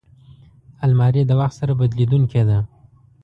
الماري د وخت سره بدلېدونکې ده